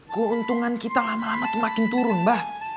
keuntungan kita lama lama tuh makin turun mbah